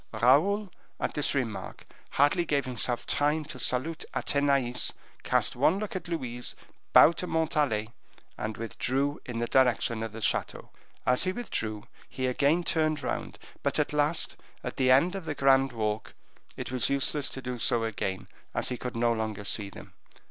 Raoul, at this remark, hardly gave himself time to salute Athenais, cast one look at Louise, bowed to Montalais, and withdrew in the direction of the chateau. As he withdrew he again turned round, but at last, at the end of the grand walk, it was useless to do so again, as he could no longer see them.